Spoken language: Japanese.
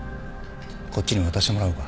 こっちに渡してもらおうか。